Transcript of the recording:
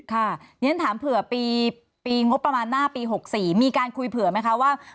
เรียนถามเผื่อปีงบประมาณหน้าปี๖๔มีการคุยเผื่อไหมคะว่า